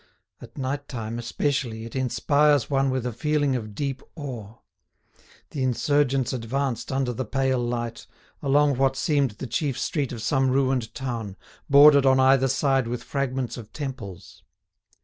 At night time, especially, it inspires one with a feeling of deep awe. The insurgents advanced under the pale light, along what seemed the chief street of some ruined town, bordered on either side with fragments of temples.